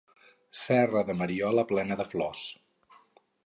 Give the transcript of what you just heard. Serra de Mariola plena de flors